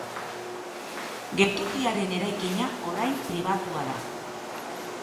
Geltokiaren eraikina orain pribatua da.